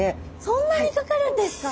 そんなにかかるんですか！？